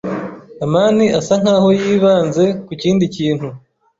amani asa nkaho yibanze kukindi kintu.